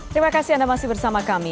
terima kasih anda masih bersama kami